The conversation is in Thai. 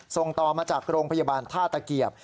ส่งต่อมาจากโรงพยาบาลท่าตะเกียบ